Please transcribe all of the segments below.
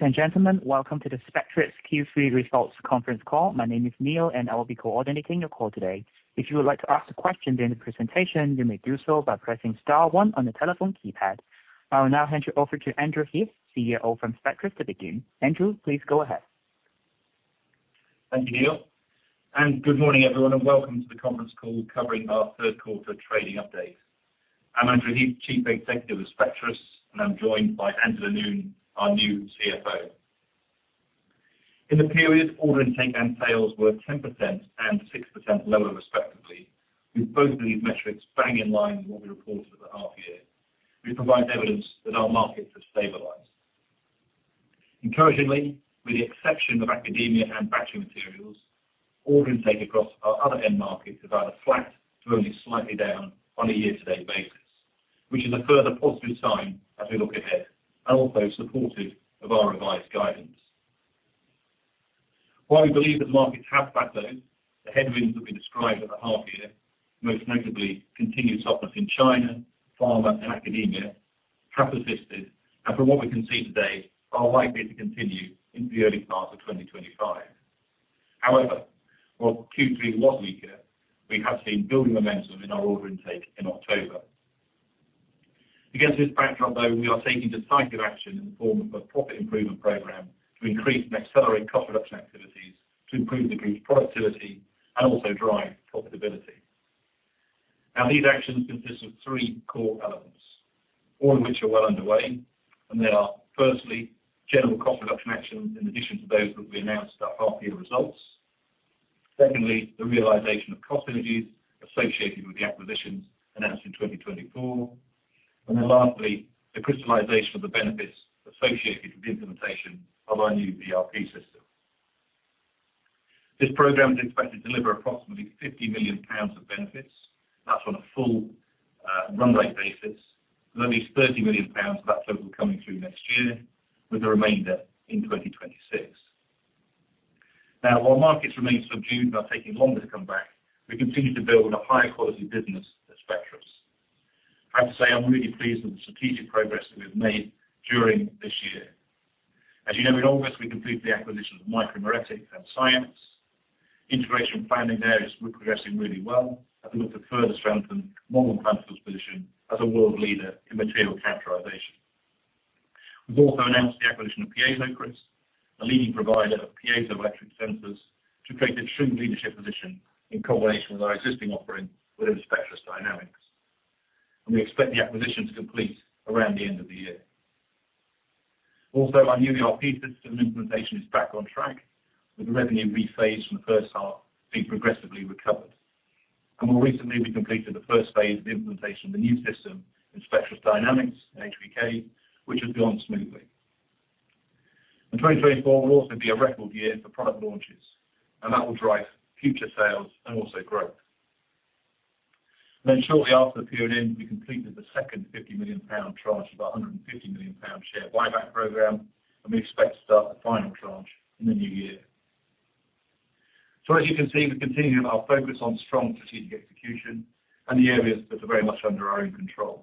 Ladies and gentlemen, welcome to the Spectris Q3 results conference call. My name is Neil, and I will be coordinating your call today. If you would like to ask a question during the presentation, you may do so by pressing star one on the telephone keypad. I will now hand you over to Andrew Heath, CEO from Spectris, to begin. Andrew, please go ahead. Thank you, Neil, and good morning, everyone, and welcome to the conference call covering our third quarter trading updates. I'm Andrew Heath, Chief Executive of Spectris, and I'm joined by Angela Noon, our new CFO. In the period, order intake and sales were 10% and 6% lower, respectively, with both of these metrics bang in line with what we reported for the half year, which provides evidence that our markets have stabilized. Encouragingly, with the exception of academia and battery materials, order intake across our other end markets is either flat to only slightly down on a year-to-date basis, which is a further positive sign as we look ahead and also supported by our revised guidance. While we believe that the markets have flattened, the headwinds that we described over the half year, most notably continued softness in China, pharma, and academia, have persisted and, from what we can see today, are likely to continue into the early part of 2025. However, while Q3 was weaker, we have seen building momentum in our order intake in October. Against this backdrop, though, we are taking decisive action in the form of a profit improvement program to increase and accelerate cost reduction activities to improve the group's productivity and also drive profitability. Now, these actions consist of three core elements, all of which are well underway, and they are, firstly, general cost reduction actions in addition to those that we announced at half-year results. Secondly, the realization of cost synergies associated with the acquisitions announced in 2024. And then lastly, the crystallization of the benefits associated with the implementation of our new ERP system. This program is expected to deliver approximately 50 million pounds of benefits. That's on a full run rate basis, with at least 30 million pounds of that total coming through next year, with the remainder in 2026. Now, while markets remain subdued and are taking longer to come back, we continue to build a high-quality business at Spectris. I have to say I'm really pleased with the strategic progress that we've made during this year. As you know, in August, we completed the acquisition of Micromeritics and SciAps. Integration and planning there is progressing really well as we look to further strengthen Malvern Panalytical's position as a world leader in material characterization. We've also announced the acquisition of Piezocryst, a leading provider of piezoelectric sensors, to create a true leadership position in combination with our existing offering within Spectris Dynamics. And we expect the acquisition to complete around the end of the year. Also, our new ERP system implementation is back on track, with the revenue rephased from the first half being progressively recovered. And more recently, we completed the first phase of the implementation of the new system in Spectris Dynamics, HBK, which has gone smoothly. And 2024 will also be a record year for product launches, and that will drive future sales and also growth. And then shortly after the period, we completed the second 50 million pound tranche of our 150 million pound share buyback program, and we expect to start the final tranche in the new year. As you can see, we continue to have our focus on strong strategic execution and the areas that are very much under our own control,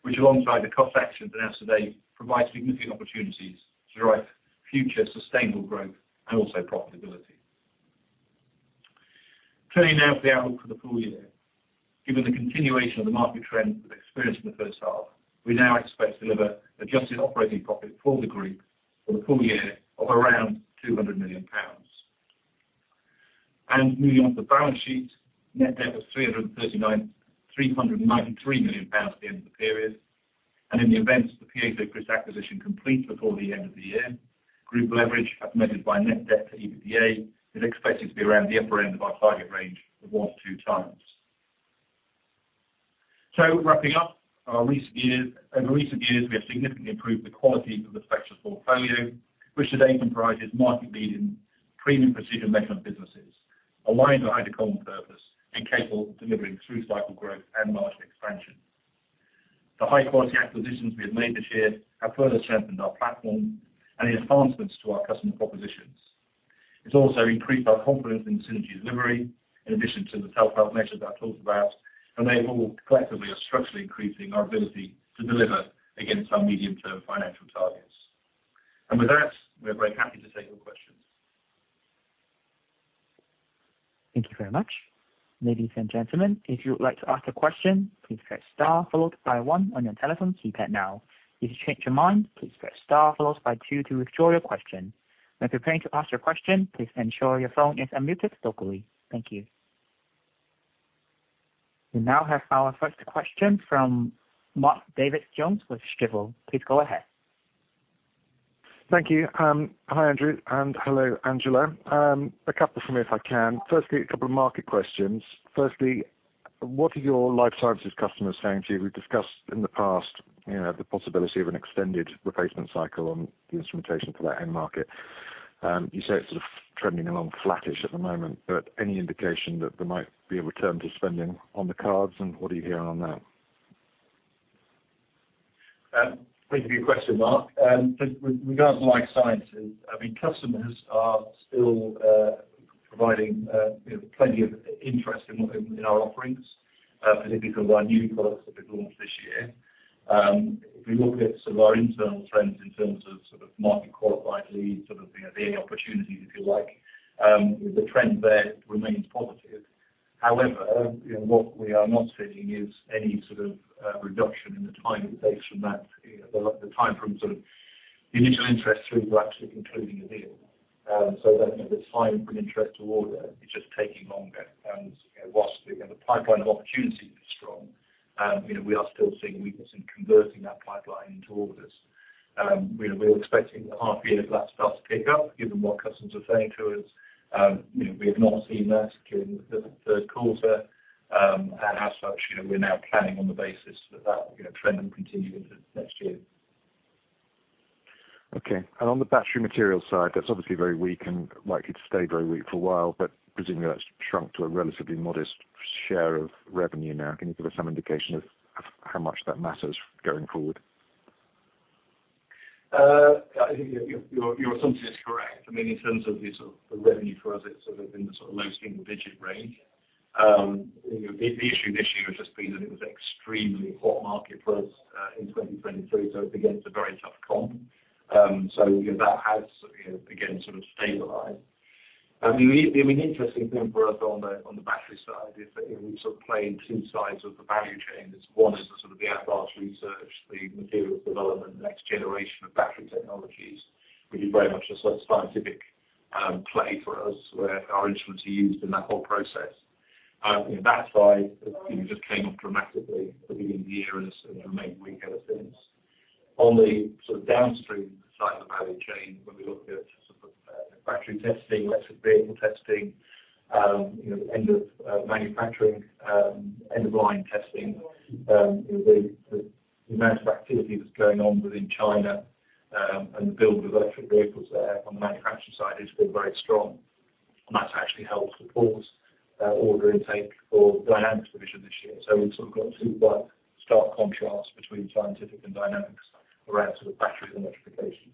which, alongside the cost actions announced today, provide significant opportunities to drive future sustainable growth and also profitability. Turning now to the outlook for the full year, given the continuation of the market trends that we've experienced in the first half, we now expect to deliver adjusted operating profit for the group for the full year of around 200 million pounds. And moving on to the balance sheet, net debt was 393 million pounds at the end of the period. And in the event that the Piezocryst acquisition completes before the end of the year, group leverage, as measured by net debt to EBITDA, is expected to be around the upper end of our target range of one to two times. So, wrapping up our recent years, over recent years, we have significantly improved the quality of the Spectris portfolio, which today comprises market-leading premium precision measurement businesses, aligned to our end-of-call purpose, and capable of delivering through cycle growth and margin expansion. The high-quality acquisitions we have made this year have further strengthened our platform and the advancements to our customer propositions. It's also increased our confidence in synergy delivery, in addition to the self-help measures I've talked about, and they all collectively are structurally increasing our ability to deliver against our medium-term financial targets. And with that, we are very happy to take your questions. Thank you very much. Ladies and gentlemen, if you would like to ask a question, please press star followed by one on your telephone keypad now. If you change your mind, please press star followed by two to withdraw your question. When preparing to ask your question, please ensure your phone is unmuted locally. Thank you. We now have our first question from Mark Davies Jones with Stifel. Please go ahead. Thank you. Hi, Andrew, and hello, Angela. A couple for me, if I can. Firstly, a couple of market questions. Firstly, what are your Life Sciences customers saying to you? We've discussed in the past the possibility of an extended replacement cycle on the instrumentation for that end market. You say it's sort of trending along flattish at the moment, but any indication that there might be a return to spending on the cards, and what are you hearing on that? Thank you for your question, Mark. With regard to life Sciences, I mean, customers are still providing plenty of interest in our offerings, particularly some of our new products that we've launched this year. If we look at some of our internal trends in terms of sort of market-qualified leads, sort of the opportunities, if you like, the trend there remains positive. However, what we are not seeing is any sort of reduction in the time it takes from that, the time from sort of the initial interest through to actually concluding a deal. So that there's time from interest to order, it's just taking longer. And while the pipeline of opportunity is strong, we are still seeing weakness in converting that pipeline into orders. We were expecting the half-year lag to start to pick up, given what customers are saying to us. We have not seen that during the third quarter, and as such, we're now planning on the basis that that trend will continue into next year. Okay. And on the battery materials side, that's obviously very weak and likely to stay very weak for a while, but presumably that's shrunk to a relatively modest share of revenue now. Can you give us some indication of how much that matters going forward? I think your assumption is correct. I mean, in terms of the revenue for us, it's sort of in the sort of low single-digit range. The issue this year has just been that it was extremely hot market for us in 2023, so it begins a very tough comp. So that has, again, sort of stabilized. I mean, the interesting thing for us on the battery side is that we sort of play in two sides of the value chain. One is sort of the advanced research, the materials development, the next generation of battery technologies, which is very much a sort of Scientific play for us where our instruments are used in that whole process. That side just came up dramatically at the beginning of the year and has remained weak ever since. On the sort of downstream side of the value chain, when we look at battery testing, electric vehicle testing, end-of-manufacturing, end-of-line testing, the amount of activity that's going on within China and the build of electric vehicles there on the manufacturing side has been very strong. And that's actually helped support order intake for Dynamics division this year. So we've sort of got two quite stark contrasts between Scientific and Dynamics around sort of batteries and electrification.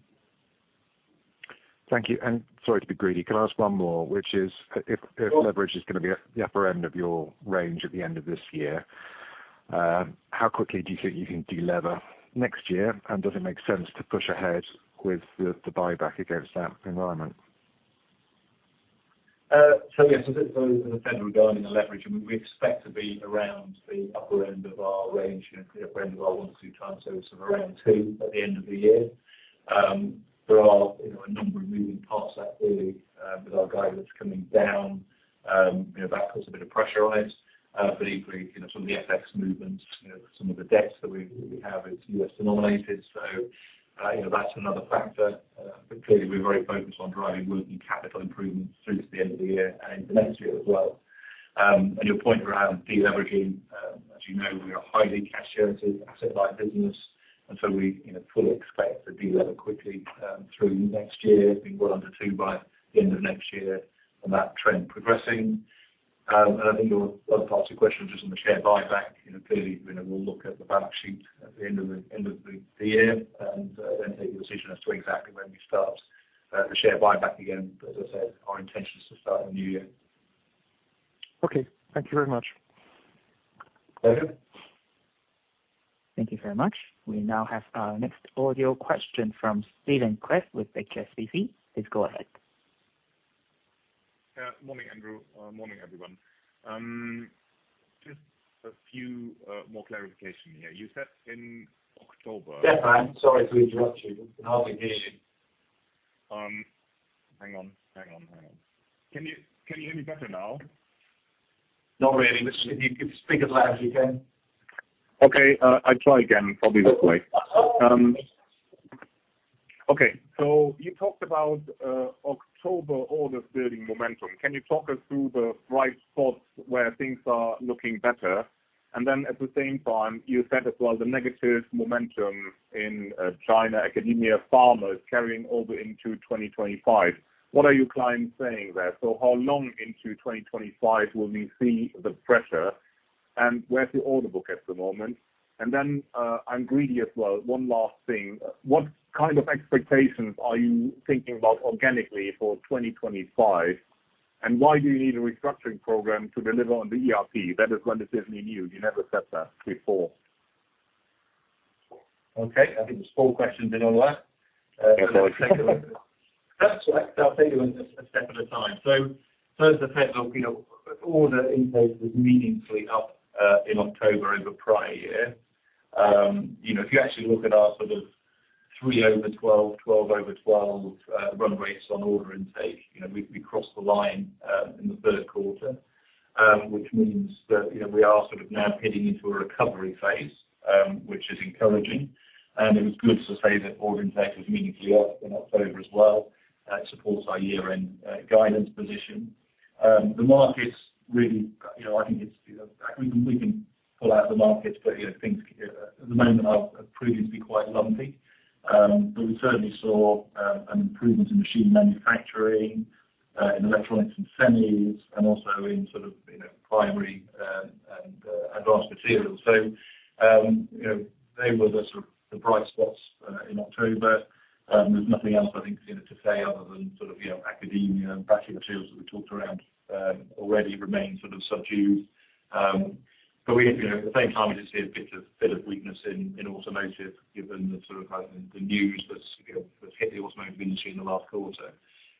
Thank you. And sorry to be greedy, can I ask one more, which is if leverage is going to be the upper end of your range at the end of this year, how quickly do you think you can delever next year, and does it make sense to push ahead with the buyback against that environment? So yes, as I said regarding the leverage, I mean, we expect to be around the upper end of our range, the upper end of our one to two times, so sort of around two at the end of the year. There are a number of moving parts that really, with our guidance coming down, that puts a bit of pressure on it. But equally, some of the FX movements, some of the debts that we have is U.S.-denominated, so that's another factor. But clearly, we're very focused on driving working capital improvements through to the end of the year and into next year as well. And your point around deleveraging, as you know, we are a highly cash-generative asset-like business, and so we fully expect to delever quickly through next year, being well under two by the end of next year, and that trend progressing. I think your other part of your question was just on the share buyback. Clearly, we'll look at the balance sheet at the end of the year and then take a decision as to exactly when we start the share buyback again. As I said, our intention is to start in the new year. Okay. Thank you very much. Okay. Thank you very much. We now have our next audio question from Stephen Cliff with HSBC. Please go ahead. Morning, Andrew. Morning, everyone. Just a few more clarifications here. You said in October. Yeah, fine. Sorry to interrupt you. We can hardly hear you. Hang on. Hang on. Hang on. Can you hear me better now? Not really. Just speak as loud as you can. Okay. I'll try again, probably this way. Okay. So you talked about October orders building momentum. Can you talk us through the bright spots where things are looking better? And then at the same time, you said as well the negative momentum in China, academia, pharma is carrying over into 2025. What are your clients saying there? So how long into 2025 will we see the pressure, and where's the order book at the moment? And then I'm greedy as well. One last thing. What kind of expectations are you thinking about organically for 2025, and why do you need a restructuring program to deliver on the ERP? That is one decision you knew. You never said that before. Okay. I think the sure question's in on that. Yeah, sorry. Thank you. That's fine. I'll tell you a step at a time. So as I said, order intake was meaningfully up in October over prior year. If you actually look at our sort of three over 12, 12 over 12 run rates on order intake, we crossed the line in the third quarter, which means that we are sort of now heading into a recovery phase, which is encouraging, and it was good to say that order intake was meaningfully up in October as well to support our year-end guidance position. The markets really, I think we can pull out the markets, but things at the moment have proven to be quite lumpy, but we certainly saw an improvement in machine manufacturing, in electronics and semis, and also in sort of primary and advanced materials, so they were the sort of bright spots in October. There's nothing else, I think, to say other than sort of academia and battery materials that we talked around already remain sort of subdued. But at the same time, we did see a bit of weakness in automotive given the sort of the news that's hit the automotive industry in the last quarter.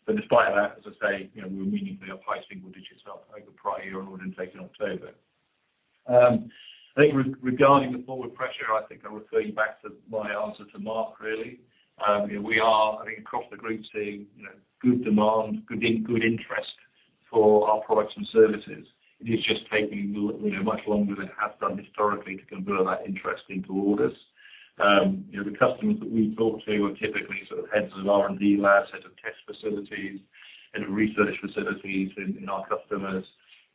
But despite that, as I say, we were meaningfully up high single digits over prior year on order intake in October. I think regarding the forward pressure, I think I'm referring back to my answer to Mark, really. We are, I think, across the group seeing good demand, good interest for our products and services. It is just taking much longer than it has done historically to convert that interest into orders. The customers that we talk to are typically sort of heads of R&D labs, heads of test facilities, heads of research facilities in our customers.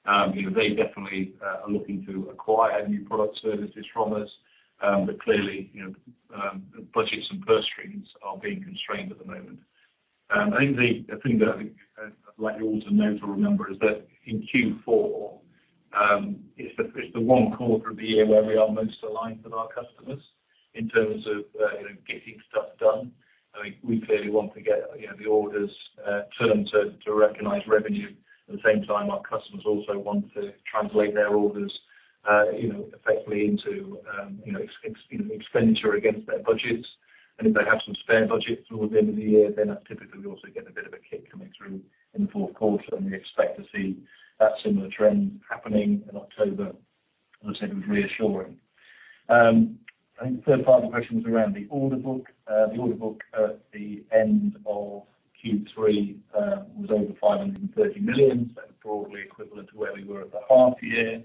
They definitely are looking to acquire new product services from us, but clearly, budgets and purse strings are being constrained at the moment. I think the thing that I'd like you all to know to remember is that in Q4, it's the one quarter of the year where we are most aligned with our customers in terms of getting stuff done. I mean, we clearly want to get the orders turned to recognize revenue. At the same time, our customers also want to translate their orders effectively into expenditure against their budgets. And if they have some spare budgets towards the end of the year, then that's typically we also get a bit of a kick coming through in the fourth quarter, and we expect to see that similar trend happening in October. As I said, it was reassuring. I think the third part of the question was around the order book. The order book at the end of Q3 was over 530 million. So broadly equivalent to where we were at the half-year.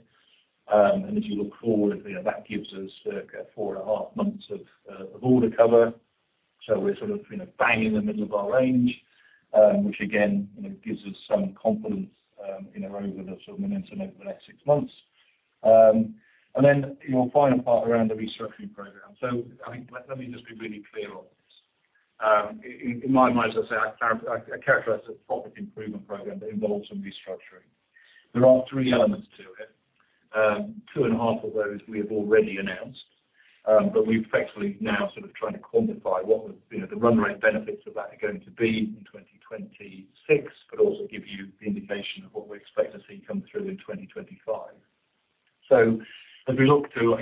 And as you look forward, that gives us circa four and a half months of order cover. So we're sort of banging the middle of our range, which again gives us some confidence over the sort of momentum over the next six months. And then your final part around the restructuring program. So I think let me just be really clear on this. In my mind, as I say, I characterize it as a profit improvement program that involves some restructuring. There are three elements to it. Two and a half of those we have already announced, but we've effectively now sort of tried to quantify what the run rate benefits of that are going to be in 2026, but also give you the indication of what we expect to see come through in 2025. So as we look to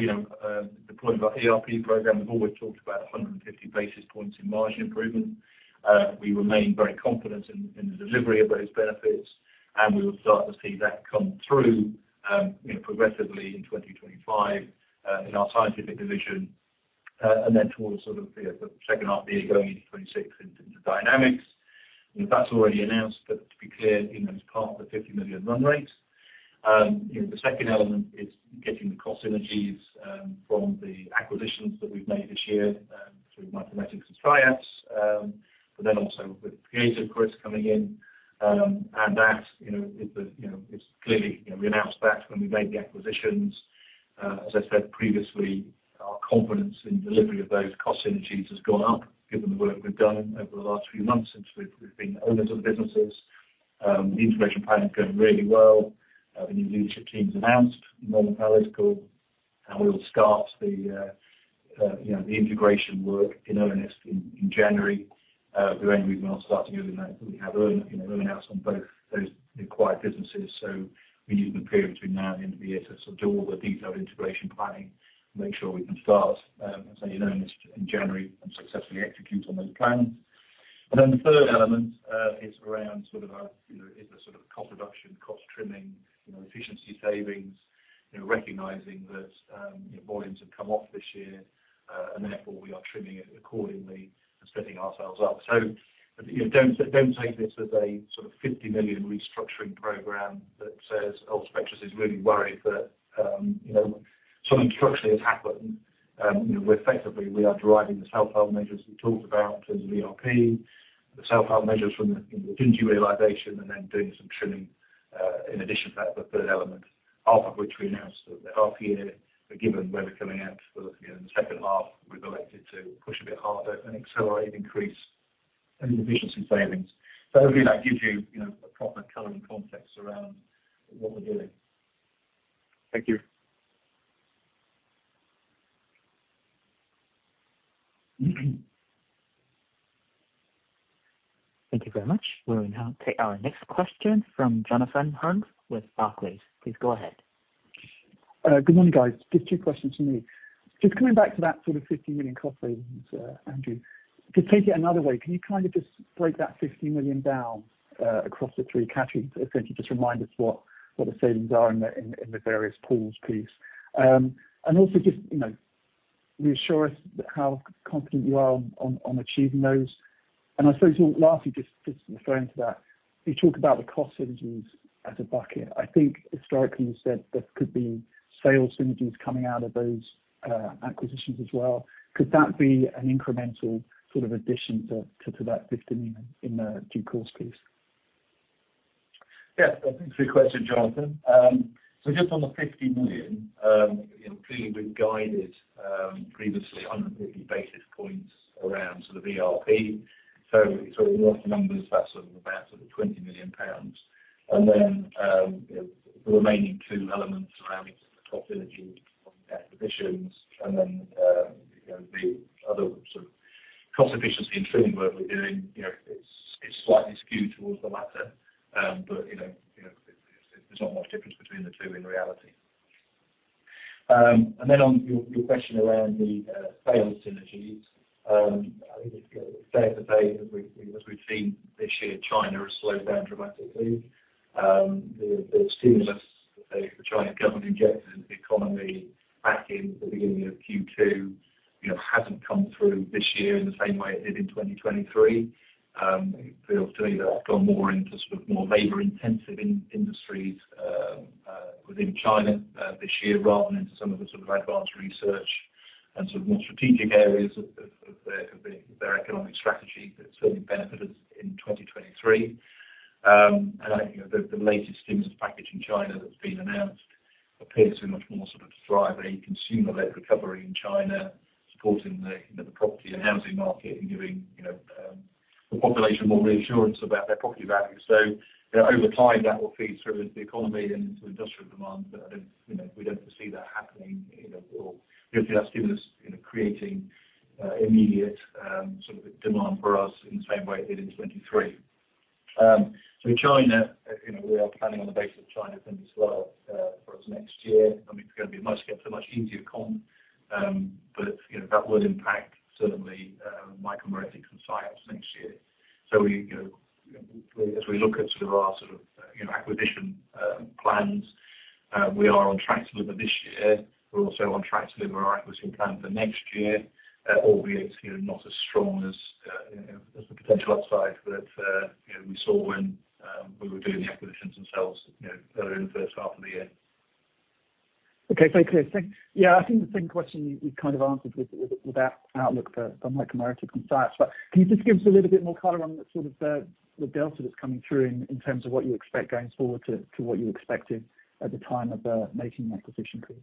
the point of our ERP program, we've always talked about 150 basis points in margin improvement. We remain very confident in the delivery of those benefits, and we would start to see that come through progressively in 2025 in our Scientific division. And then towards sort of the second half of the year going into 2026 into Dynamics, that's already announced, but to be clear, it's part of the 50 million run rate. The second element is getting the cost synergies from the acquisitions that we've made this year through Micromeritics and SciAps, but then also with Piezocryst, of course, coming in. And that is, it's clearly we announced that when we made the acquisitions. As I said previously, our confidence in delivery of those cost synergies has gone up given the work we've done over the last few months since we've been owners of the businesses. The integration plan has gone really well. The new leadership team's announced in Malvern Panalytical, and we will start the integration work in ERP in January. If there's any reason we're not starting earlier than that, we have ERP on both those acquired businesses. We need the period between now and the end of the year to sort of do all the detailed integration planning and make sure we can start, as I say, in Q1 in January and successfully execute on those plans. The third element is around sort of our is there sort of cost reduction, cost trimming, efficiency savings, recognizing that volumes have come off this year, and therefore we are trimming it accordingly and setting ourselves up. Don't take this as a sort of £50 million restructuring program that says all Spectris is really worried that something structurally has happened. Effectively, we are deriving the self-help measures we talked about in terms of ERP, the self-help measures from the synergy realization, and then doing some trimming in addition to that, the third element, half of which we announced the half-year. But given where we're coming out, we're looking at in the second half, we've elected to push a bit harder and accelerate and increase those efficiency savings. So hopefully, that gives you a proper color and context around what we're doing. Thank you. Thank you very much. We'll now take our next question from Jonathan Hurn with Barclays. Please go ahead. Good morning, guys. Just two questions from me. Just coming back to that sort of 50 million cost savings, Andrew, just take it another way. Can you kind of just break that 50 million down across the three categories? Essentially, just remind us what the savings are in the various pools piece. And also just reassure us how confident you are on achieving those. And I suppose lastly, just referring to that, you talk about the cost synergies as a bucket. I think historically you said there could be sales synergies coming out of those acquisitions as well. Could that be an incremental sort of addition to that GBP 50 million in the due course piece? Yeah. I think three questions, Jonathan. So just on the 50 million, clearly we've guided previously on the 50 basis points around sort of ERP. So if you sort of look at the numbers, that's sort of about sort of 20 million pounds. And then the remaining two elements around the cost synergies on acquisitions and then the other sort of cost efficiency and trimming work we're doing, it's slightly skewed towards the latter, but there's not much difference between the two in reality. And then on your question around the sales synergies, I think it's fair to say that as we've seen this year, China has slowed down dramatically. The stimulus that the Chinese government injected into the economy back in the beginning of Q2 hasn't come through this year in the same way it did in 2023. To me, that's gone more into sort of more labor-intensive industries within China this year rather than into some of the sort of advanced research and sort of more strategic areas of their economic strategy that certainly benefited in 2023. And I think the latest stimulus package in China that's been announced appears to be much more sort of to drive a consumer-led recovery in China, supporting the property and housing market and giving the population more reassurance about their property value. So over time, that will feed through into the economy and into industrial demand, but I don't foresee that happening. We don't see that stimulus creating immediate sort of demand for us in the same way it did in 2023. So in China, we are planning on the basis of China staying slow for us next year. I mean, it's going to be a much easier comp, but that will impact certainly Micromeritics and SciAps next year. So as we look at sort of our sort of acquisition plans, we are on track to deliver this year. We're also on track to deliver our acquisition plan for next year, albeit not as strong as the potential upside that we saw when we were doing the acquisitions themselves earlier in the first half of the year. Okay. Thank you. Yeah. I think the second question we kind of answered with that outlook for Micromeritics and SciAps, but can you just give us a little bit more color on sort of the delta that's coming through in terms of what you expect going forward to what you expected at the time of making an acquisition, please?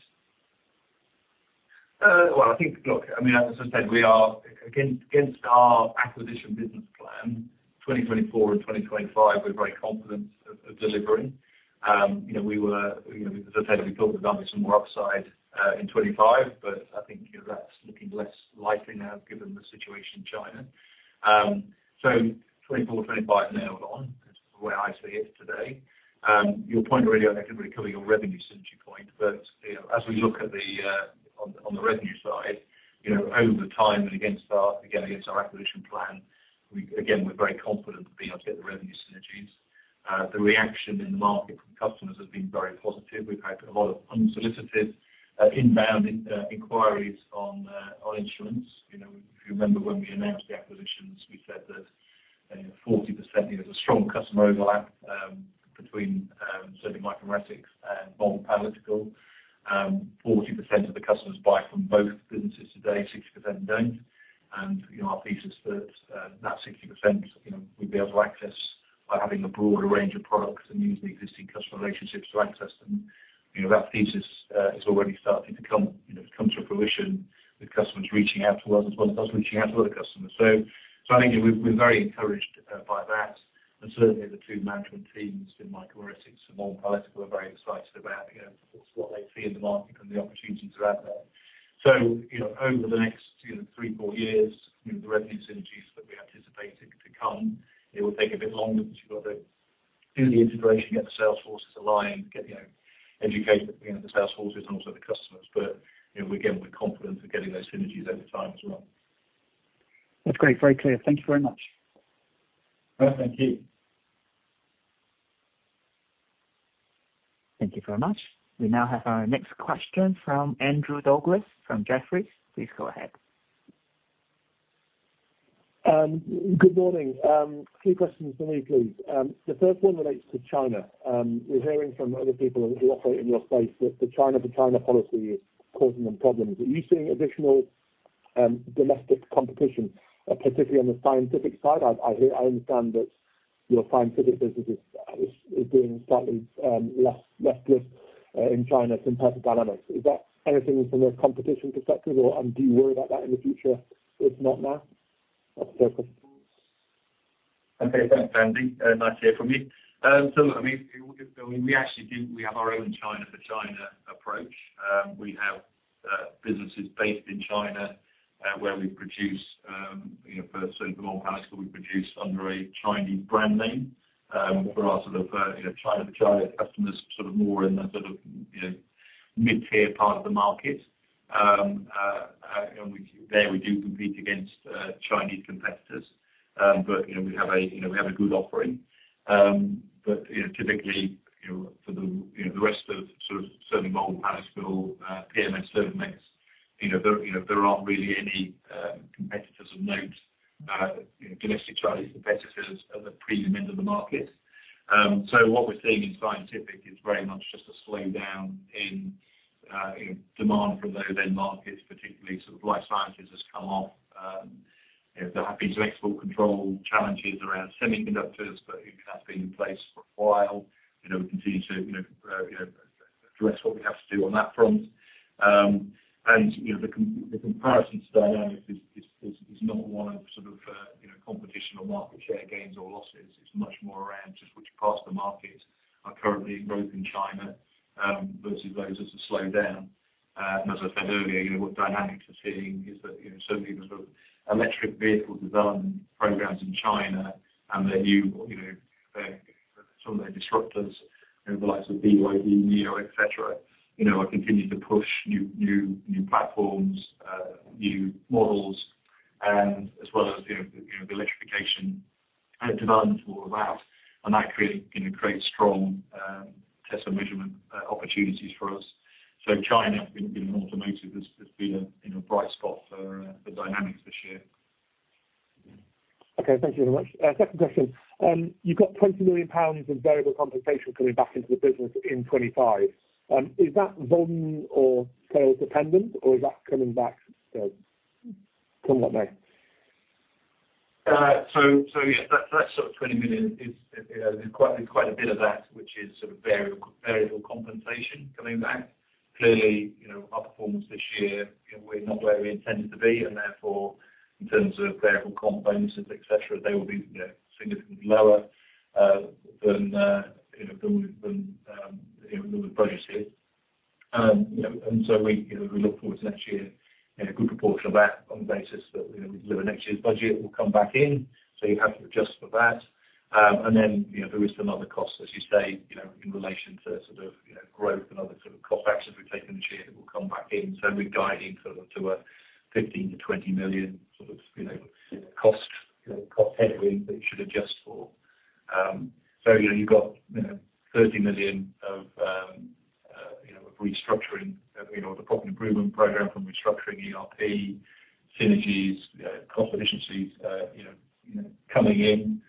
I think, look, I mean, as I said, we are against our acquisition business plan, 2024 and 2025, we're very confident of delivering. We were, as I said, we thought we'd have some more upside in 2025, but I think that's looking less likely now given the situation in China. So 2024, 2025 nailed on, which is the way I see it today. Your point really on that could really cover your revenue synergy point, but as we look at the revenue side, over time and again against our acquisition plan, again, we're very confident of being able to get the revenue synergies. The reaction in the market from customers has been very positive. We've had a lot of unsolicited inbound inquiries on instruments. If you remember when we announced the acquisitions, we said that 40% is a strong customer overlap between certainly Micromeritics and Malvern Panalytical. 40% of the customers buy from both businesses today, 60% don't. And our thesis that that 60% we'd be able to access by having a broader range of products and using existing customer relationships to access them. That thesis is already starting to come to fruition with customers reaching out to us as well as us reaching out to other customers. So I think we're very encouraged by that. And certainly, the two management teams in Micromeritics and Malvern Panalytical are very excited about what they see in the market and the opportunities around there. So over the next three, four years, the revenue synergies that we anticipate to come, it will take a bit longer because you've got to do the integration, get the sales forces aligned, get educated between the sales forces and also the customers. But again, we're confident of getting those synergies over time as well. That's great. Very clear. Thank you very much. All right. Thank you. Thank you very much. We now have our next question from Andrew Douglas from Jefferies. Please go ahead. Good morning. A few questions for me, please. The first one relates to China. We're hearing from other people who operate in your space that the China-to-China policy is causing them problems. Are you seeing additional domestic competition, particularly on the Scientific side? I understand that your Scientific business is being slightly less brisk in China compared to Dynamics. Is that anything from a competition perspective, or do you worry about that in the future? If not, now, that's a fair question. Okay. Thanks, Andy. Nice hearing from you. So I mean, we actually do have our own China-to-China approach. We have businesses based in China where we produce for certainly for Malvern Panalytical, we produce under a Chinese brand name. For our sort of China-to-China customers, sort of more in the sort of mid-tier part of the market. And there we do compete against Chinese competitors, but we have a good offering. But typically, for the rest of sort of certainly Malvern Panalytical, PMS, Servomex, there aren't really any competitors of note, domestic Chinese competitors at the premium end of the market. So what we're seeing in Scientific is very much just a slowdown in demand from those end markets, particularly sort of life sciences has come off. There have been some export control challenges around semiconductors, but it has been in place for a while. We continue to address what we have to do on that front, and the comparison to Dynamics is not one of sort of competition or market share gains or losses. It's much more around just which parts of the market are currently in growth in China versus those that have slowed down, and as I said earlier, what Dynamics are seeing is that certainly the sort of electric vehicle development programs in China and some of their disruptors, the likes of BYD, NIO, etc., are continuing to push new platforms, new models, and as well as the electrification developments all around, and that creates strong test and measurement opportunities for us, so China in automotive has been a bright spot for Dynamics this year. Okay. Thank you very much. Second question. You've got 20 million pounds in variable compensation coming back into the business in 2025. Is that volume or sales dependent, or is that coming back somewhat now? So yes, that sort of 20 million is quite a bit of that, which is sort of variable compensation coming back. Clearly, our performance this year, we're not where we intended to be. And therefore, in terms of variable comp bonuses, etc., they will be significantly lower than we've budgeted. And so we look forward to next year, a good proportion of that on the basis that we deliver next year's budget will come back in. So you have to adjust for that. And then there is some other costs, as you say, in relation to sort of growth and other sort of cost actions we've taken this year that will come back in. So we're guiding sort of to a 15-20 million sort of cost headwind that you should adjust for. You've got 30 million of restructuring, the profit improvement program from restructuring ERP, synergies, cost efficiencies coming in.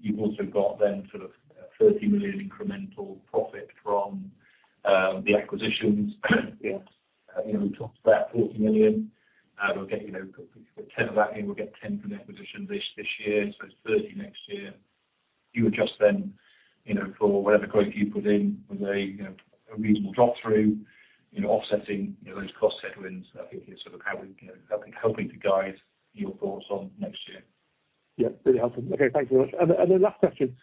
You've also got then sort of 30 million incremental profit from the acquisitions. We talked about 40 million. We'll get 10 of that. We'll get 10 from the acquisition this year, so 30 next year. You adjust then for whatever growth you put in with a reasonable drop-through, offsetting those cost headwinds. I think it's sort of helping to guide your thoughts on next year. Yeah. Really helpful. Okay. Thank you very much. And then last question.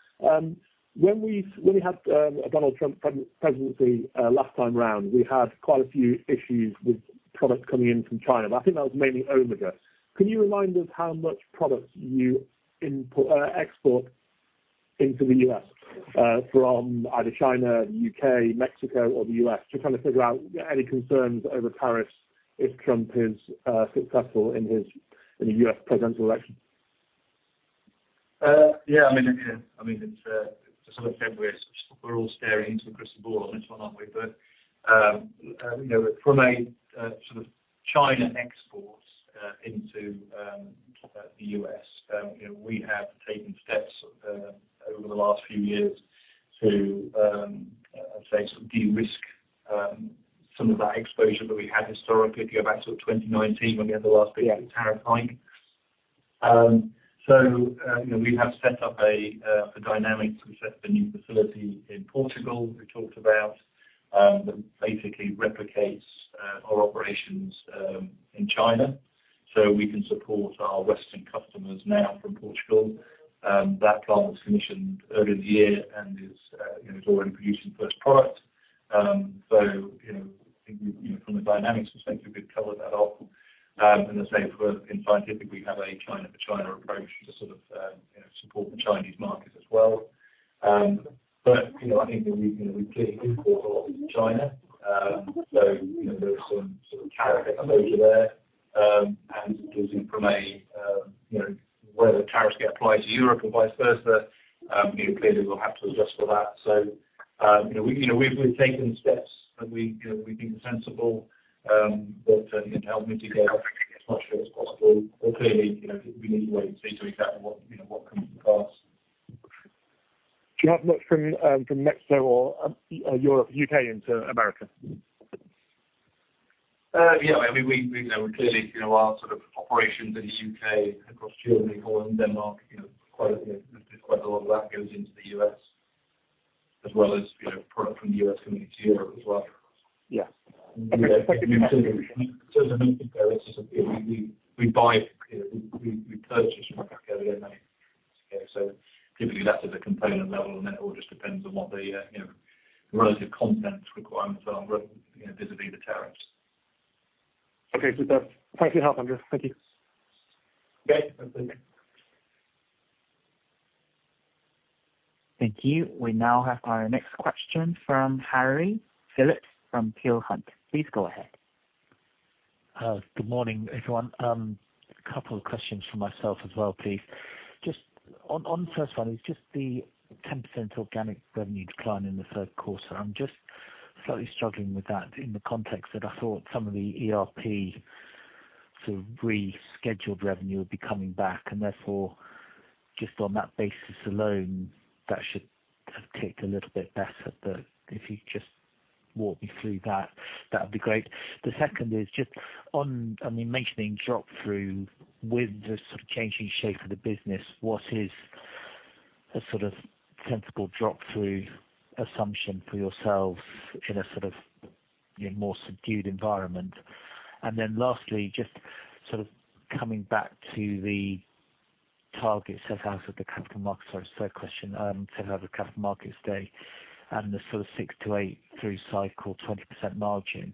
When we had a Donald Trump presidency last time around, we had quite a few issues with products coming in from China. But I think that was mainly Omega. Can you remind us how much products you export into the U.S. from either China, the UK, Mexico, or the U.S.? Just trying to figure out any concerns over tariffs if Trump is successful in the U.S. presidential election. Yeah. I mean, it's sort of February, so we're all staring into a crystal ball on this one, aren't we? But from a sort of China export into the U.S., we have taken steps over the last few years to, I'd say, sort of de-risk some of that exposure that we had historically. If you go back to 2019 when we had the last big tariff hike. So we have set up, for Dynamics, we've set up a new facility in Portugal we talked about that basically replicates our operations in China. So we can support our Western customers now from Portugal. That plant was commissioned earlier in the year and is already producing first product. So I think from the Dynamics perspective, we've covered that up. And as I say, in Scientific, we have a China-to-China approach to sort of support the Chinese market as well. But I think we clearly import a lot from China. So there's some tariff exposure there. And from where the tariffs get applied to Europe and vice versa, clearly we'll have to adjust for that. So we've taken steps that we think are sensible that help mitigate as much as possible. But clearly, we need to wait and see to exactly what comes to pass. Do you have much from Mexico or Europe, UK, into America? Yeah. I mean, we clearly, our sort of operations in the UK across Germany, Poland, Denmark, quite a lot of that goes into the U.S. as well as product from the U.S. coming into Europe as well. Yeah. Okay. Perfect. In terms of Mexico, it's just we buy it. We purchase from Mexico again. So typically, that's at a component level. And then it all just depends on what the relative content requirements are vis-à-vis the tariffs. Okay. Superb. Thanks for your help, Andrew. Thank you. Okay. Thanks. Thank you. We now have our next question from Harry Phillips from Peel Hunt. Please go ahead. Good morning, everyone. A couple of questions for myself as well, please. Just on the first one, it's just the 10% organic revenue decline in the third quarter. I'm just slightly struggling with that in the context that I thought some of the ERP sort of rescheduled revenue would be coming back. And therefore, just on that basis alone, that should have ticked a little bit better. But if you could just walk me through that, that would be great. The second is just on, I mean, mentioning drop-through with the sort of changing shape of the business, what is a sort of sensible drop-through assumption for yourselves in a sort of more subdued environment? And then lastly, just sort of coming back to the target set out of the capital markets. Sorry, third question. set out to the capital markets today and the sort of six to eight through-cycle 20% margin.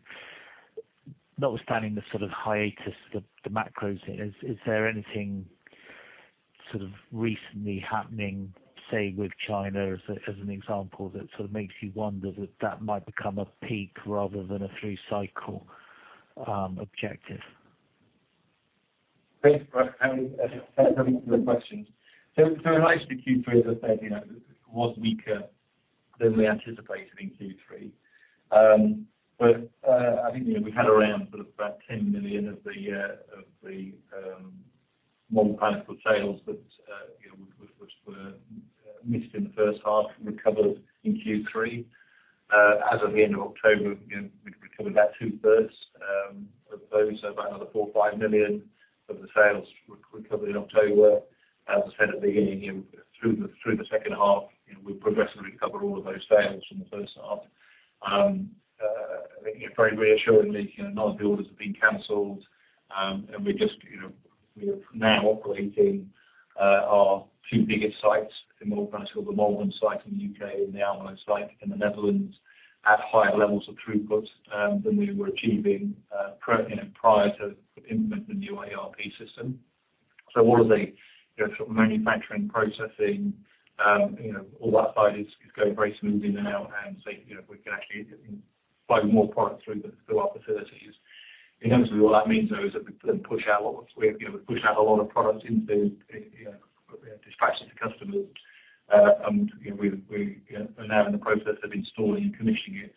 Notwithstanding the sort of hiatus, the macros, is there anything sort of recently happening, say, with China as an example that sort of makes you wonder that that might become a peak rather than a through-cycle objective? Okay. All right. Thanks for the questions. So in relation to Q3, as I said, it was weaker than we anticipated in Q3. But I think we had around sort of about 10 million of the Malvern Panalytical sales that were missed in the first half recovered in Q3. As of the end of October, we'd recovered about two-thirds of those, about another 4 million or 5 million of the sales recovered in October. As I said at the beginning, through the second half, we've progressively recovered all of those sales from the first half. I think very reassuringly, none of the orders have been cancelled. And we're just now operating our two biggest sites in Malvern Panalytical, the Malvern site in the UK and the Almelo site in the Netherlands, at higher levels of throughput than we were achieving prior to implementing the new ERP system. So all of the sort of manufacturing, processing, all that side is going very smoothly now. And so we can actually fly more product through our facilities. Inevitably, what that means, though, is that we push out a lot of products into dispatching to customers. And we are now in the process of installing and commissioning it.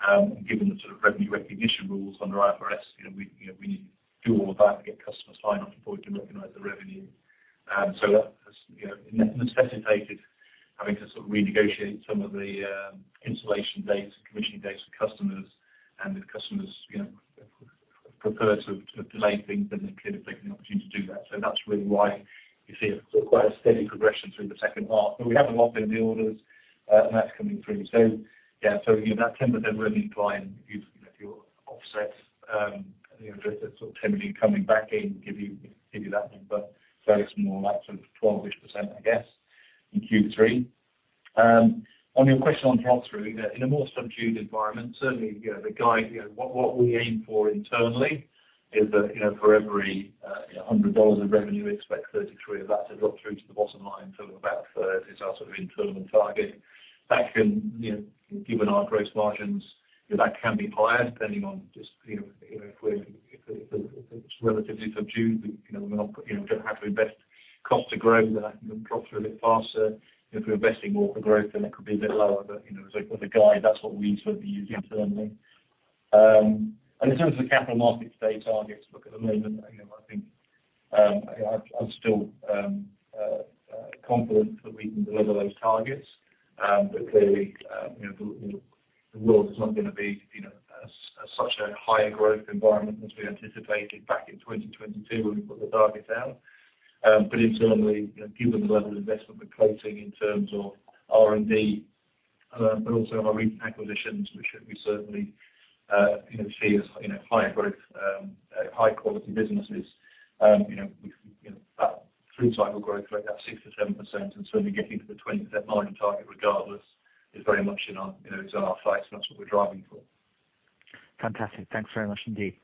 And given the sort of revenue recognition rules under IFRS, we need to do all of that to get customers' sign-off accept and recognize the revenue. So that has necessitated having to sort of renegotiate some of the installation dates and commissioning dates with customers. And if customers prefer to delay things, then they're clearly taking the opportunity to do that. So that's really why you see quite a steady progression through the second half. But we haven't locked in the orders, and that's coming through. So yeah, so that 10% revenue decline, if you offset the sort of 10 million coming back in, give you that number. So it's more like sort of 12-ish%, I guess, in Q3. On your question on drop-through, in a more subdued environment, certainly the guide, what we aim for internally is that for every $100 of revenue, we expect 33 of that to drop through to the bottom line. So about a third is our sort of internal target. That can, given our gross margins, that can be higher depending on just if it's relatively subdued, we don't have to invest cost to grow, then I can drop through a bit faster. If we're investing more for growth, then it could be a bit lower. But as a guide, that's what we sort of use internally. In terms of the capital markets day targets, look, at the moment, I think I'm still confident that we can deliver those targets. Clearly, the world is not going to be such a higher growth environment as we anticipated back in 2022 when we put the targets out. Internally, given the level of investment we're placing in terms of R&D, but also our recent acquisitions, which we certainly see as higher growth, high-quality businesses, that through-cycle growth rate of 6%-7% and certainly getting to the 20% margin target regardless is very much in our sights, and that's what we're driving for. Fantastic. Thanks very much indeed.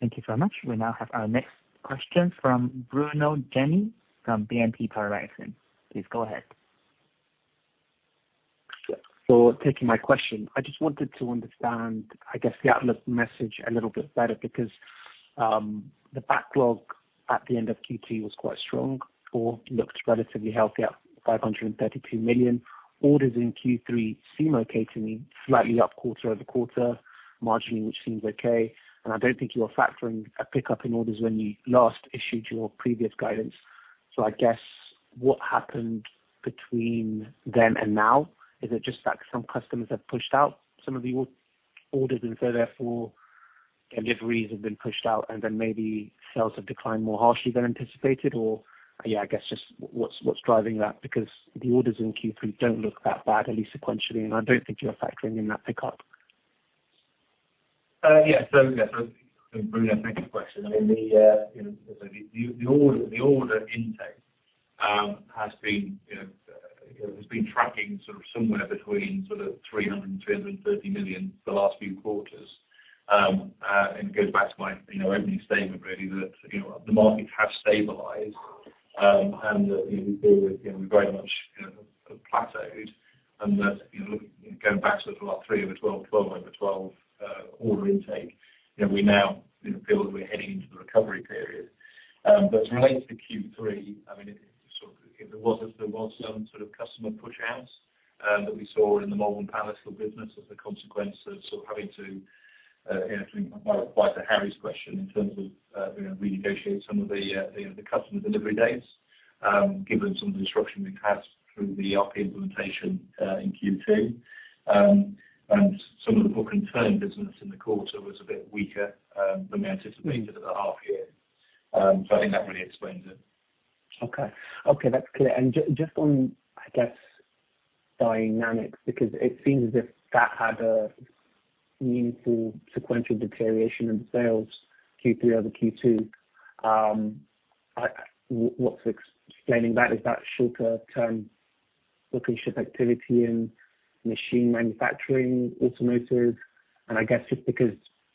Thank you very much. We now have our next question from Bruno Permutti from BNP Paribas Exane. Please go ahead. Yeah. So taking my question, I just wanted to understand, I guess, the outlook message a little bit better because the backlog at the end of Q2 was quite strong or looked relatively healthy at 532 million. Orders in Q3 seem okay to me, slightly up quarter over quarter marginally, which seems okay. And I don't think you were factoring a pickup in orders when you last issued your previous guidance. So I guess what happened between then and now? Is it just that some customers have pushed out some of the orders and so therefore deliveries have been pushed out and then maybe sales have declined more harshly than anticipated? Or yeah, I guess just what's driving that? Because the orders in Q3 don't look that bad, at least sequentially, and I don't think you were factoring in that pickup. Yeah. So Bruno, thank you for the question. I mean, as I said, the order intake has been tracking sort of somewhere between 300 and 330 million for the last few quarters, and it goes back to my opening statement, really, that the markets have stabilized and that we feel we've very much plateaued, and that looking going back to the last three over twelve, twelve over twelve order intake, we now feel that we're heading into the recovery period. But as it relates to Q3, I mean, there was some sort of customer push-outs that we saw in the Malvern Panalytical business as a consequence of sort of having to, to answer Harry's question, in terms of renegotiate some of the customer delivery dates, given some of the disruption we've had through the ERP implementation in Q2. Some of the book and turn business in the quarter was a bit weaker than we anticipated at the half year. I think that really explains it. Okay. Okay. That's clear. And just on, I guess, Dynamics, because it seems as if that had a meaningful sequential deterioration in the sales Q3 over Q2. What's explaining that? Is that shorter-term workership activity in machine manufacturing, automotive? And I guess just because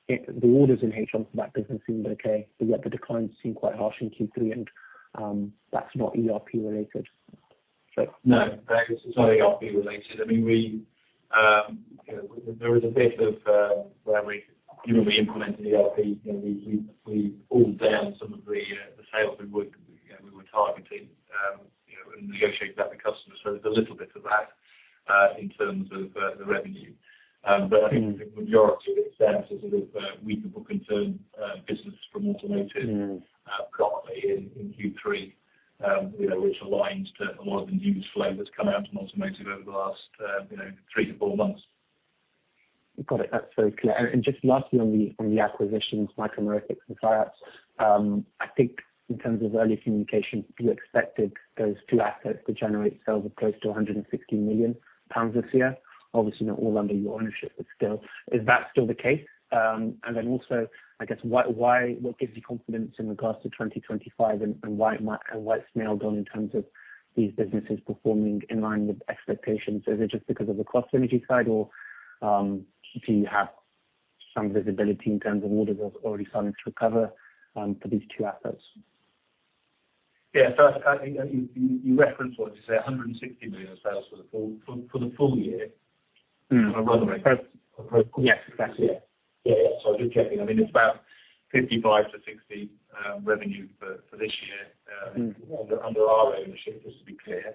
the orders in H1 for that business seemed okay, but yet the declines seem quite harsh in Q3, and that's not ERP-related, so. No. It's not ERP-related. I mean, there was a bit of where we implemented ERP, we pulled down some of the sales we were targeting and negotiated that with customers. So there's a little bit of that in terms of the revenue. But I think the majority of it stems to sort of weaker book and turn business from automotive properly in Q3, which aligns to a lot of the news flow that's come out from automotive over the last three to four months. Got it. That's very clear. And just lastly, on the acquisitions, Micromeritics and SciAps, I think in terms of early communications, you expected those two assets to generate sales of close to 160 million pounds this year. Obviously, not all under your ownership, but still. Is that still the case? And then also, I guess, what gives you confidence in regards to 2025 and why it's nailed on in terms of these businesses performing in line with expectations? Is it just because of the cost synergies side, or do you have some visibility in terms of orders that are already starting to recover for these two assets? Yeah. So I think you referenced what you say, 160 million sales for the full year on a runway. Yes. Exactly. Yeah. Yeah. So I was just checking. I mean, it's about 55-60 revenue for this year under our ownership, just to be clear.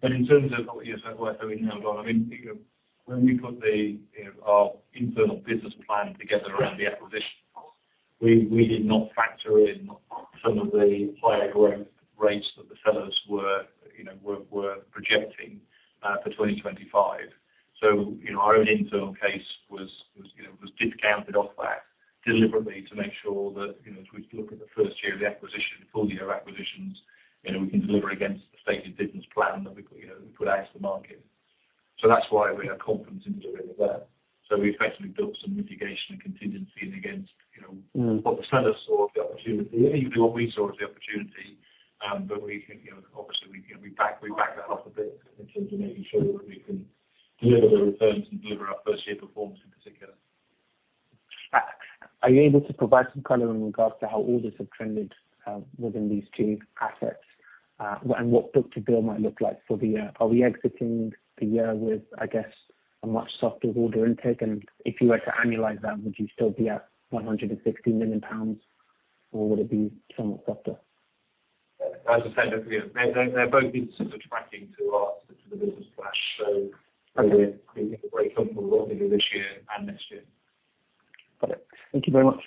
But in terms of what I said, we're nailed on. I mean, when we put our internal business plan together around the acquisitions, we did not factor in some of the higher growth rates that the sellers were projecting for 2025. So our own internal case was discounted off that deliberately to make sure that as we look at the first year of the acquisition, full year of acquisitions, we can deliver against the stated business plan that we put out to the market. So that's why we're confident in delivering it there. So we effectively built some mitigation and contingency against what the sellers saw as the opportunity, or what we saw as the opportunity. But obviously, we back that off a bit in terms of making sure that we can deliver the returns and deliver our first-year performance in particular. Are you able to provide some color in regards to how orders have trended within these two assets and what book-to-bill might look like for the year? Are we exiting the year with, I guess, a much softer order intake? And if you were to analyze that, would you still be at £160 million, or would it be somewhat softer? As I said, they're both on track to the business plan. So we've been very comfortable with what we do this year and next year. Got it. Thank you very much.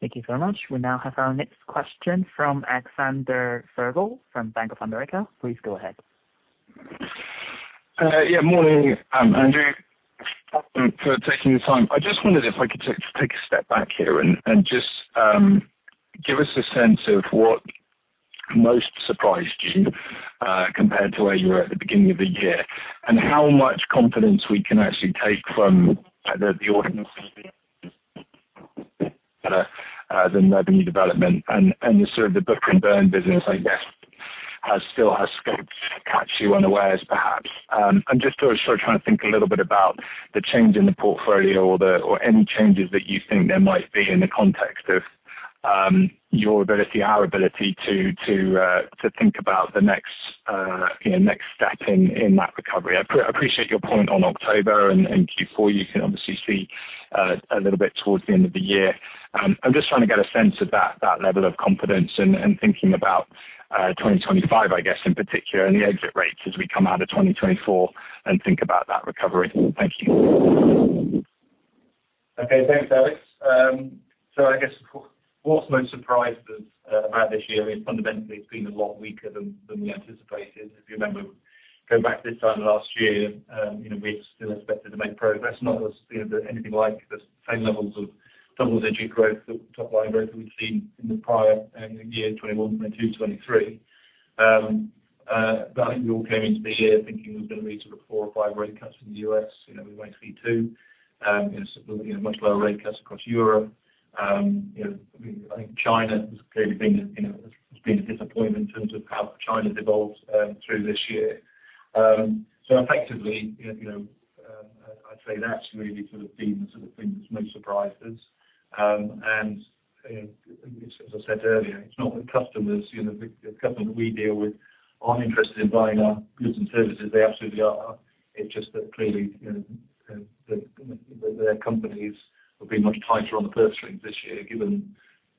Thank you very much. We now have our next question from Alexander Virgo from Bank of America. Please go ahead. Yeah. Morning, Andrew. Thanks for taking the time. I just wondered if I could take a step back here and just give us a sense of what most surprised you compared to where you were at the beginning of the year and how much confidence we can actually take from the organic revenue development and the sort of the book and turn business, I guess, still has scope to catch you unawares, perhaps. I'm just sort of trying to think a little bit about the change in the portfolio or any changes that you think there might be in the context of your ability, our ability to think about the next step in that recovery. I appreciate your point on October and Q4. You can obviously see a little bit towards the end of the year. I'm just trying to get a sense of that level of confidence and thinking about 2025, I guess, in particular, and the exit rates as we come out of 2024 and think about that recovery. Thank you. Okay. Thanks, Alex. So I guess what's most surprised us about this year is fundamentally it's been a lot weaker than we anticipated. If you remember, going back to this time last year, we still expected to make progress, not anything like the same levels of double-digit growth, top-line growth that we'd seen in the prior years, 2021, 2022, 2023. But I think we all came into the year thinking there was going to be sort of four or five rate cuts in the U.S. We might see two, much lower rate cuts across Europe. I think China has clearly been a disappointment in terms of how China's evolved through this year. So effectively, I'd say that's really sort of been the sort of thing that's most surprised us. As I said earlier, it's not that customers, the customers that we deal with, aren't interested in buying our goods and services. They absolutely are. It's just that clearly their companies have been much tighter on the purse strings this year, given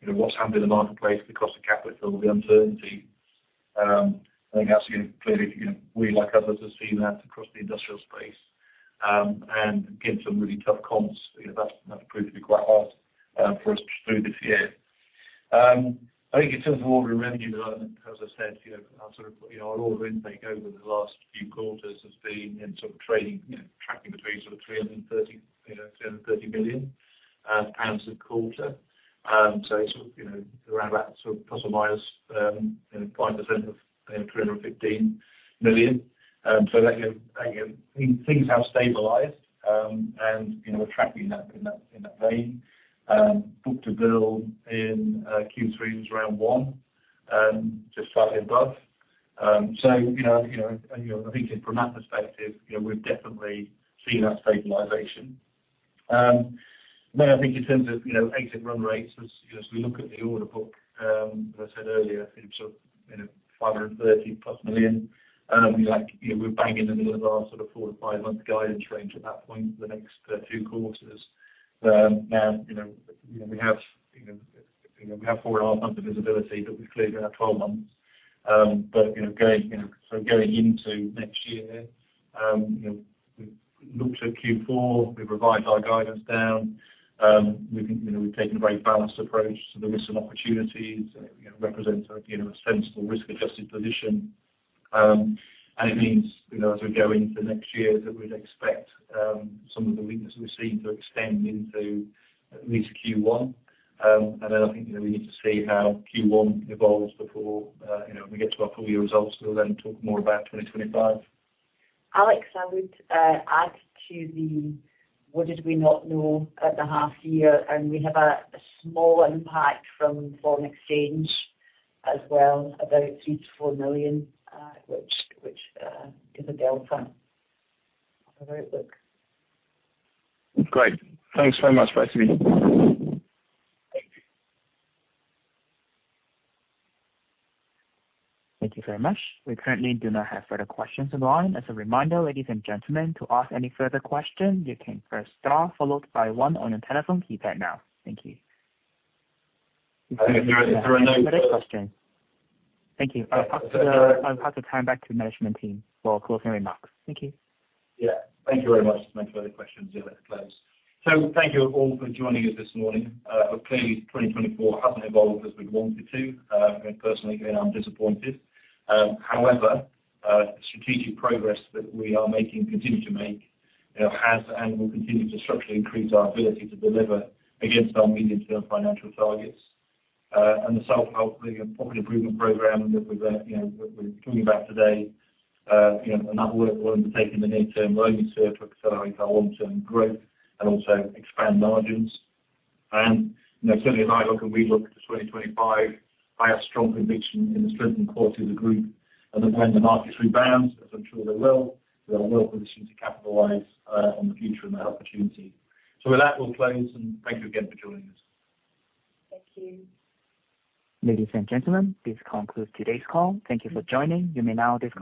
what's happened in the marketplace, the cost of capital, the uncertainty. I think that's clearly we, like others, have seen that across the industrial space. And given some really tough comps, that's proved to be quite hard for us through this year. I think in terms of order and revenue development, as I said, our order intake over the last few quarters has been sort of trailing, tracking between sort of 330 million pounds a quarter. So sort of around that sort of plus or minus 5% of 315 million. So things have stabilized, and we're tracking in that vein. Book to bill in Q3 was around one, just slightly above, so I think from that perspective, we've definitely seen that stabilization, then I think in terms of exit run rates, as we look at the order book, as I said earlier, sort of £530 plus million. We're bang in the middle of our sort of four to five-month guidance range at that point for the next two quarters. Now, we have four and a half months of visibility, but we've cleared out 12 months, but so going into next year, we've looked at Q4. We've revised our guidance down. We've taken a very balanced approach to the risks and opportunities. It represents a sensible risk-adjusted position, and it means as we go into next year that we'd expect some of the weakness we've seen to extend into at least Q1. And then I think we need to see how Q1 evolves before we get to our full-year results. We'll then talk more about 2025. Alex, I would add to the what did we not know at the half year? And we have a small impact from foreign exchange as well, about 3 million-4 million, which gives a delta of our outlook. Great. Thanks very much, both of you. Thank you. Thank you very much. We currently do not have further questions in line. As a reminder, ladies and gentlemen, to ask any further questions, you can press star followed by one on your telephone keypad now. Thank you. Thank you. Thank you. I'll pass the time back to the management team for closing remarks. Thank you. Yeah. Thank you very much. Thanks for the questions. Yeah, let's close. So thank you all for joining us this morning. Clearly, 2024 hasn't evolved as we'd wanted to. Personally, I'm disappointed. However, the strategic progress that we are making and continue to make has and will continue to structurally increase our ability to deliver against our medium-term financial targets. And the self-help and profit improvement program that we're talking about today and that work will undertake in the near term will only serve to accelerate our long-term growth and also expand margins. And certainly, as I look and we look to 2025, I have strong conviction in the strength and quality of the group and that when the markets rebound, as I'm sure they will, we are well positioned to capitalize on the future and that opportunity. So with that, we'll close, and thank you again for joining us. Thank you. Ladies and gentlemen, this concludes today's call. Thank you for joining. You may now disconnect.